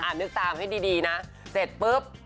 อ่านนึกตามให้ดีละเสร็จปึ๊บ